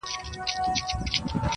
دغه د کرکي او نفرت کليمه.